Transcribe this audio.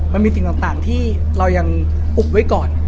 มันมีสิ่งต่างที่เรายังอุบไว้ก่อน